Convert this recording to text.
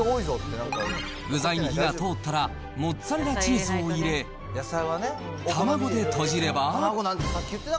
具材に火が通ったらモッツァレラチーズを入れ、卵でとじれば。